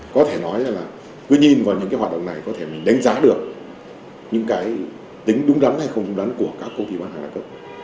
có thể nói là cứ nhìn vào những cái hoạt động này có thể mình đánh giá được những cái tính đúng đắn hay không đúng đắn của các công ty bán hàng đa cấp